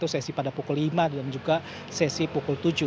sesi pada pukul lima dan juga sesi pukul tujuh